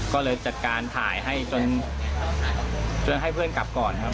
ก็เลยจัดการถ่ายให้จนให้เพื่อนกลับก่อนครับ